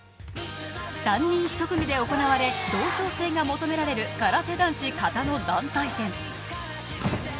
３人１組で行われ、同調性が求められる空手男子・形の団体戦。